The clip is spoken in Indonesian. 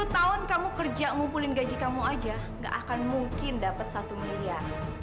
sepuluh tahun kamu kerja ngumpulin gaji kamu aja gak akan mungkin dapat satu miliar